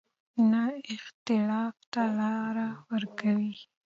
نه اختلاف ته لار ورکوي.